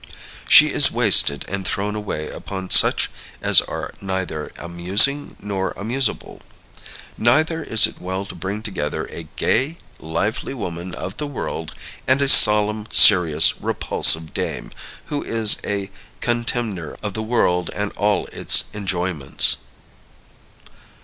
She is wasted and thrown away upon such as are neither amusing nor amusable. Neither is it well to bring together a gay, lively woman of the world, and a solemn, serious, repulsive dame, who is a contemner of the world and all its enjoyments.